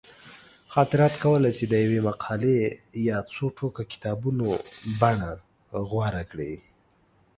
خاطرات کولی شي د یوې مقالې یا څو ټوکه کتابونو بڼه غوره کړي.